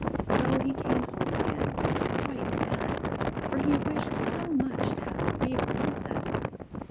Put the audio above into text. So he came home again, and was quite sad: for he wished so much to have a real princess.